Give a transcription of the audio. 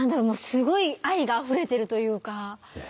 すごい愛があふれてるというか。